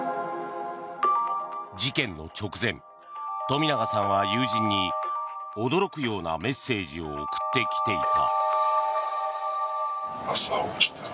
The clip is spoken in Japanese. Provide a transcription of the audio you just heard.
事件の直前、冨永さんは友人に驚くようなメッセージを送ってきていた。